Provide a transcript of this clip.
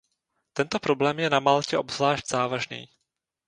Tento problém je na Maltě obzvlášť závažný.